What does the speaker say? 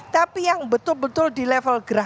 tapi yang betul betul di level gratis